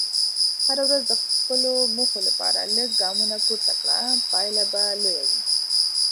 هره ورځ د خپلو موخو لپاره لږ ګامونه پورته کړه، پایله به لویه وي.